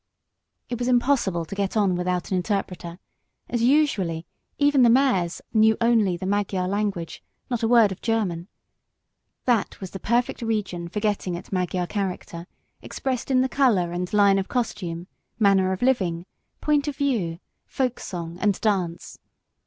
It was impossible to get on without an interpreter, as usually even the mayors knew only the Magyar language not a word of German. That was the perfect region for getting at Magyar character expressed in the colour and line of costume, manner of living, point of view, folk song and dance.